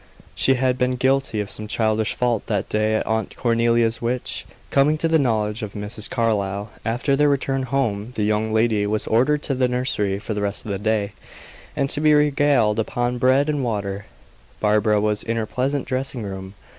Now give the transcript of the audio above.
She had been guilty of some childish fault that day at Aunt Cornelia's, which, coming to the knowledge of Mrs. Carlyle, after their return home the young lady was ordered to the nursery for the rest of the day, and to be regaled upon bread and water. Barbara was in her pleasant dressing room.